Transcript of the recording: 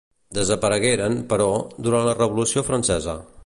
Desaparegueren, però, durant la Revolució francesa.